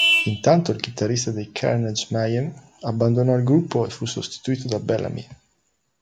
Intanto il chitarrista dei Carnage Mayhem abbandonò il gruppo e fu sostituito da Bellamy.